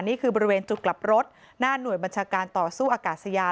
นี่คือบริเวณจุดกลับรถหน้าหน่วยบัญชาการต่อสู้อากาศยาน